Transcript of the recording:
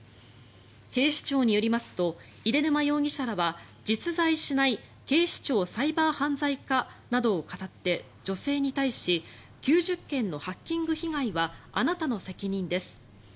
警視庁によりますと出沼容疑者らは実在しない警視庁サイバー犯罪課などをかたって女性に対し９０件のハッキング被害はあなたの責任です